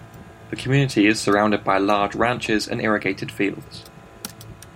The community is surrounded by large ranches and irrigated fields.